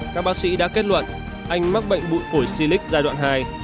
các bác sĩ đã kết luận anh mắc bệnh bụi phổi xy lích giai đoạn hai